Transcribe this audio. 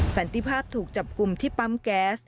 สันติภาพถูกจับกลุ่มที่ปั๊มแก๊ส